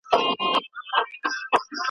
نه چي سهار کیږي له آذان سره به څه کوو ,